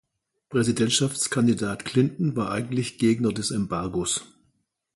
Präsidentschaftskandidat Clinton war eigentlich Gegner des Embargos.